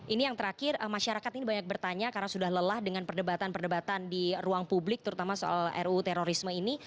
ini yang terakhir masyarakat ini banyak bertanya karena sudah lelah dengan perdebatan perdebatan di ruang publik terutama soal ruu terorisme ini